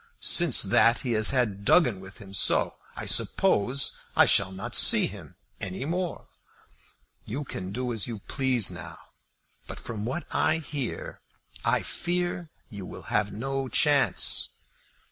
Since that he has had Duggin with him; so, I suppose, I shall not see him any more. You can do as you please now; but, from what I hear, I fear you will have no chance."